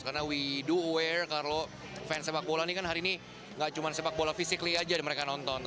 karena kita tahu kalau fans sepak bola ini kan hari ini nggak cuma sepak bola fisik aja mereka nonton